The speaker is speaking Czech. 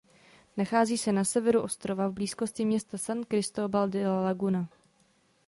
Nachází se na severu ostrova v blízkosti města San Cristóbal de La Laguna.